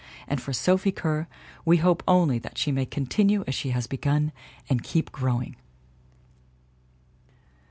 And for Sophie Kerr we hope only that she may continue as she has begun and keep growing.